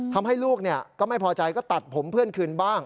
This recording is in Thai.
ทำให้ลูกก็ไม่พอใจก็ตัดผมเพื่อนคืนบ้าง